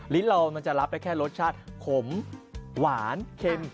เรามันจะรับได้แค่รสชาติขมหวานเค็ม